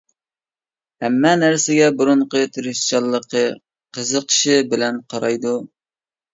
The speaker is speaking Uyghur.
ھەممە نەرسىگە بۇرۇنقى تىرىشچانلىقى، قىزىقىشى بىلەن قارايدۇ.